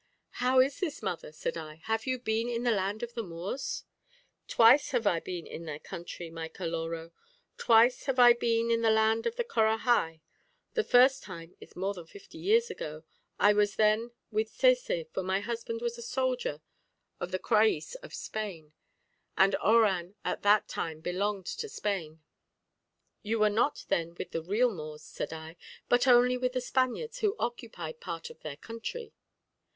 "How is this, mother?" said I; "have you been in the land of the Moors?" "Twice have I been in their country, my Caloró twice have I been in the land of the Corahai. The first time is more than fifty years ago; I was then with the Sesé, for my husband was a soldier of the Crallis of Spain, and Oran at that time belonged to Spain." "You were not then with the real Moors," said I, "but only with the Spaniards who occupied part of their country."